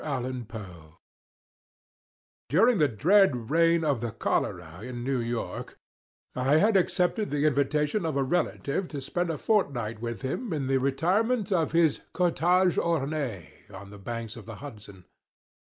_ THE SPHINX During the dread reign of the cholera in New York, I had accepted the invitation of a relative to spend a fortnight with him in the retirement of his cottage ornée on the banks of the Hudson.